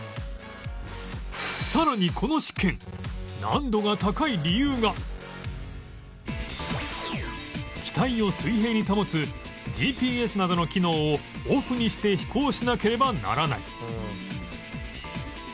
さらに機体を水平に保つ ＧＰＳ などの機能をオフにして飛行しなければならない